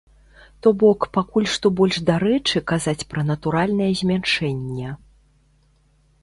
То бок пакуль што больш дарэчы казаць пра натуральнае змяншэнне.